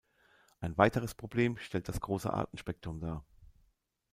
Ein weiteres Problem stellt das große Artenspektrum dar.